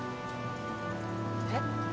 えっ？